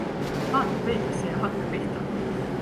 Vaata peeglisse ja hakka pihta.